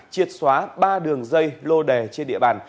triệt xóa ba đường dây lô đề trên địa bàn